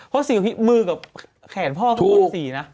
เพราะว่ามือกับแขนพ่อลูกสีถูก